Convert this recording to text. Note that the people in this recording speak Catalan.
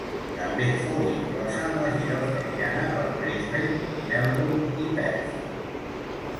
També fou inclosa en la gira australiana per Brisbane, Melbourne i Perth.